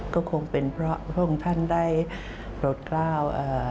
ก็คงเป็นเพราะพรุ่งท่านได้รถกล้าว